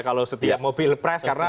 kalau setiap mobil pres karena